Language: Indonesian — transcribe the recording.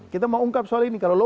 kita mau ungkap soal ini kalau lo